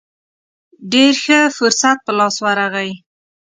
ډېر ښه فرصت په لاس ورغی.